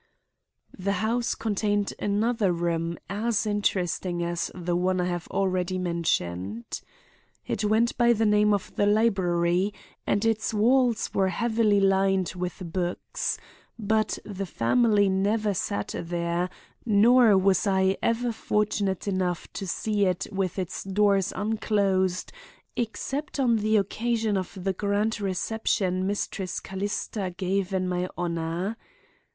"The house contained another room as interesting as the one I have already mentioned. It went by the name of the library and its walls were heavily lined with books; but the family never sat there, nor was I ever fortunate enough to see it with its doors unclosed except on the occasion of the grand reception Mistress Callista gave in my honor.